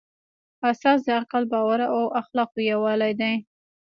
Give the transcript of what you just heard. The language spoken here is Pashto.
اساس د عقل، باور او اخلاقو یووالی دی.